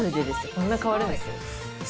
こんな変わるんですよ。